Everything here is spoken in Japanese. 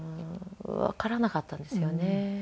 わからなかったんですよね。